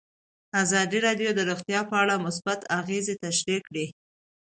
ازادي راډیو د روغتیا په اړه مثبت اغېزې تشریح کړي.